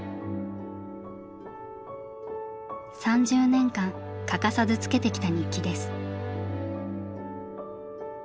３０年間欠かさずつけてきた日記です。